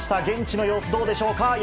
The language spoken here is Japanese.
現地の様子はどうでしょうか。